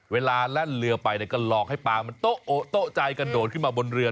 แล่นเรือไปก็หลอกให้ปลามันโต๊ะใจกระโดดขึ้นมาบนเรือ